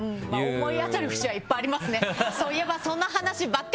思い当たる節はいっぱいありますね。